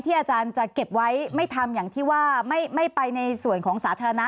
อาจารย์จะเก็บไว้ไม่ทำอย่างที่ว่าไม่ไปในส่วนของสาธารณะ